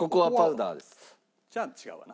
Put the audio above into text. じゃあ違うわな。